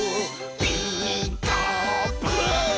「ピーカーブ！」